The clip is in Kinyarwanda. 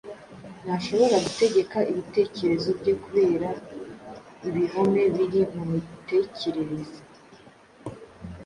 Ntashobora gutegeka ibitekerezo bye kubera ibihome biri mu mitekerereze